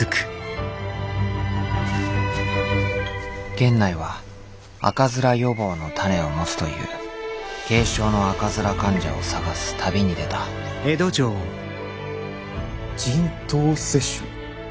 源内は赤面予防の種を持つという軽症の赤面患者を探す旅に出た人痘接種？